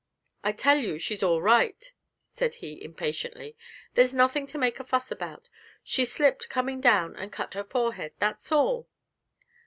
'I tell you she's all right,' said he, impatiently; 'there's nothing to make a fuss about. She slipped coming down and cut her forehead that's all.'